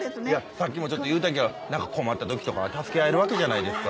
さっきもちょっと言うたけど何か困った時とかは助け合えるわけじゃないですか。